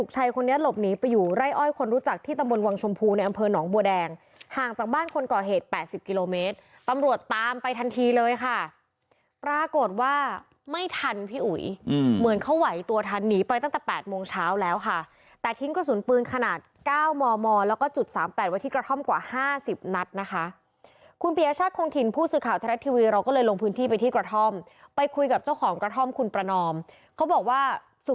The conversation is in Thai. จากบ้านคนก่อเหตุ๘๐กิโลเมตรตำรวจตามไปทันทีเลยค่ะปรากฏว่าไม่ทันพี่อุ๋ยเหมือนเขาไหวตัวทันหนีไปตั้งแต่๘โมงเช้าแล้วค่ะแต่ทิ้งกระสุนปืนขนาด๙มมแล้วก็จุด๓๘วันที่กระท่อมกว่า๕๐นัดนะคะคุณเปียชะคงถิ่นผู้สื่อข่าวทะเลททีวีเราก็เลยลงพื้นที่ไปที่กระท่อมไปคุยกับเจ้าของกระท่อ